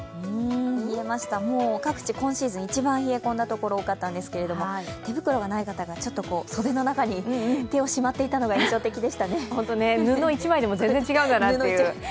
冷えました、各地、今シーズン一番冷え込んだ所が多かったんですけど手袋がない方は袖の中に手をしまっていたのが布一枚でも全然違うんだなという。